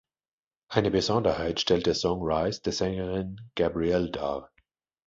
Eine Besonderheit stellt der Song "Rise" der Sängerin Gabrielle dar.